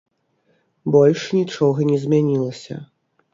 Больш нічога не змянілася.